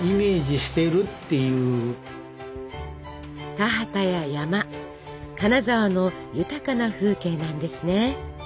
田畑や山金沢の豊かな風景なんですね。